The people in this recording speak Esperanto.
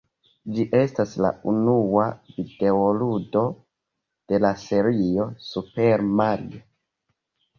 Ĝi estas la unua videoludo de la serio "Super Mario".